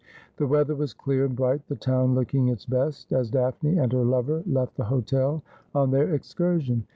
The weather was clear and bright, the town looking its best, as Daphne and her lover left the hotel on their excursion.